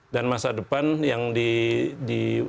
dan masa depan yang di